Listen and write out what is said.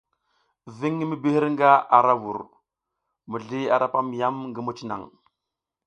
Viŋ ngi mi bi hirga ara ra vur, mizli ara pam yam ngi muc naŋ.